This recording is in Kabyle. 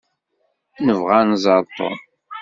Nebɣa ad nẓer Tom.